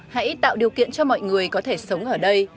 hãy tạo điều kiện cho mọi người có thể sống ở đây